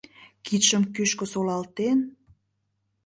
Кидшым кӱшкӧ солалтен